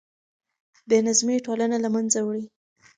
بې نظمي ټولنه له منځه وړي.